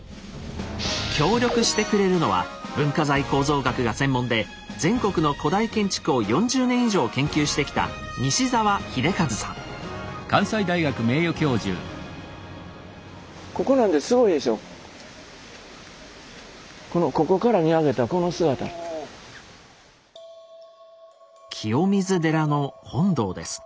協力してくれるのは文化財構造学が専門で全国の古代建築を４０年以上研究してきた清水寺の本堂です。